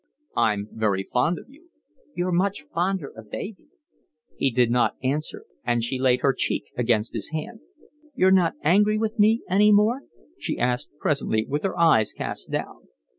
"I'm very fond of you." "You're much fonder of baby." He did not answer, and she laid her cheek against his hand. "You're not angry with me any more?" she asked presently, with her eyes cast down.